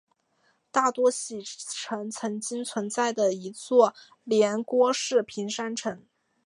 大多喜城曾经存在的一座连郭式平山城。